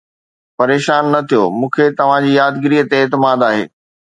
پريشان نه ٿيو، مون کي توهان جي يادگيري تي اعتماد آهي